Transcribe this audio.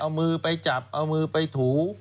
เอามือไปจับเอามือไปถู